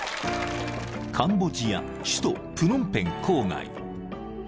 ［カンボジア首都プノンペン郊外］